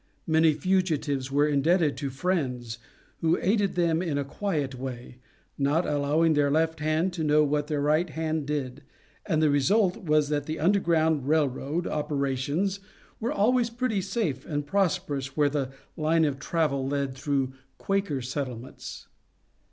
Many fugitives were indebted to Friends who aided them in a quiet way, not allowing their left hand to know what their right hand did, and the result was that Underground Rail Road operations were always pretty safe and prosperous where the line of travel led through "Quaker settlements."